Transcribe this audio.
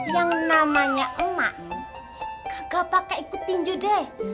yang namanya emak kagak pakai ikutin juga deh